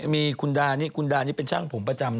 ไม่ใช่คุณดาร์นี่เป็นช่างผมประจำ